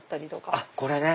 あっこれね。